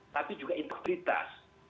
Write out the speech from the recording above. tapi juga integritas